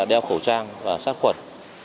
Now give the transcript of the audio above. đeo khẩu trang và sát khuẩn